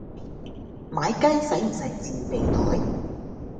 買雞洗唔洗自備袋？